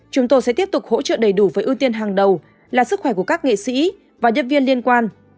chúng tôi sẽ tiếp tục hỗ trợ đầy đủ với ưu tiên hàng đầu là sức khỏe của các nghệ sĩ và nhân viên liên quan